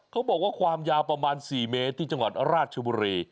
เขาบอกว่าความยาวประมาณ๔เมตรที่จังหวัดราชบุรี